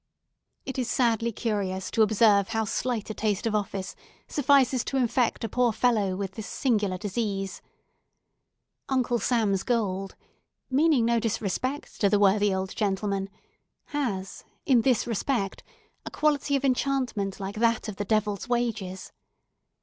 It is sadly curious to observe how slight a taste of office suffices to infect a poor fellow with this singular disease. Uncle Sam's gold—meaning no disrespect to the worthy old gentleman—has, in this respect, a quality of enchantment like that of the devil's wages.